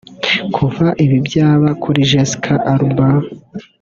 Kuva ibi byaba kuri Jessica Alba